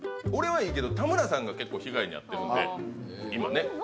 俺はいいけど田村さんが結構被害に遭ってるんで今ね